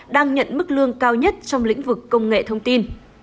đang nhận mức lương cao nhất trong lĩnh vực công nghệ thông tin